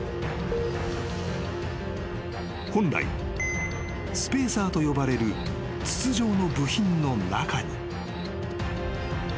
［本来スペーサーと呼ばれる筒状の部品の中に］